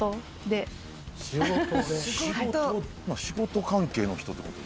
仕事関係の人ってこと？